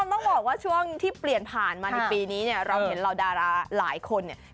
คุณผู้ชมต้องบอกว่าช่วงที่เปลี่ยนตรงผ่านมาปีนี้เราเห็นเอาท์ดาราหลายคนเนี่ย